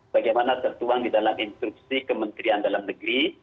bagaimana tertuang di dalam instruksi kementerian dalam negeri